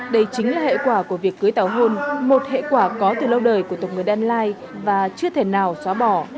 đây chính là hệ quả của việc cưới tàu hôn một hệ quả có từ lâu đời của tộc người đan lai và chưa thể nào xóa bỏ